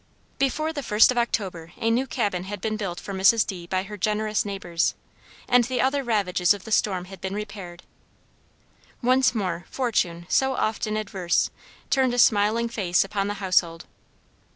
Before the first of October a new cabin had been built for Mrs. D. by her generous neighbors, and the other ravages of the storm had been repaired. Once more fortune, so often adverse, turned a smiling face upon the household.